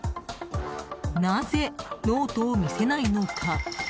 なぜノートを見せないのか？